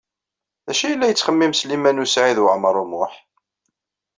D acu yella yettxemmim Sliman U Saɛid Waɛmaṛ U Muḥ?